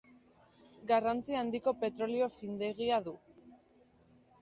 Garrantzi handiko petrolio findegia du.